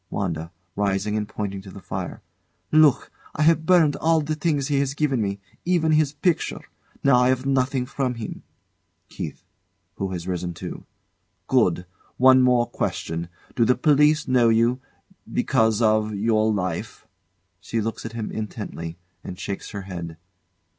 WANDA. [Rising and pointing to the fire] Look! I have burned all the things he have given me even his picture. Now I have nothing from him. KEITH. [Who has risen too] Good! One more question. Do the police know you because of your life? [She looks at him intently, and shakes her, head.